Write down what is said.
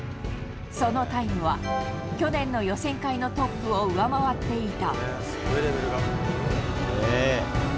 そのタイムは、去年の予選会のトップを上回っていた。